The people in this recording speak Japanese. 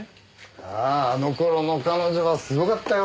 あああの頃の彼女はすごかったよ。